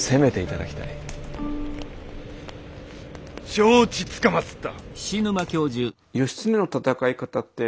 承知つかまつった。